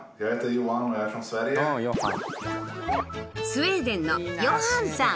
スウェーデンのヨハンさん。